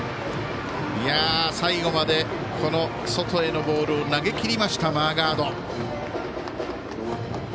最後まで外へのボールを投げきりました、マーガード。